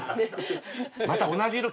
また同じ色。